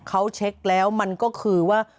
เขาเช็คแล้วมันก็คือว่า